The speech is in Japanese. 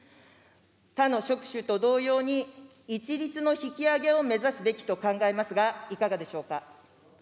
他の職種と同様に、一律の引き上げを目指すべきと考えますが、いかがでしょうか。